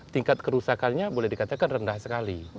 tingkat kerusakannya boleh dikatakan rendah sekali